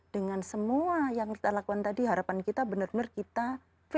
dengan semua yang kita lakukan tadi harapan kita benar benar kita fokus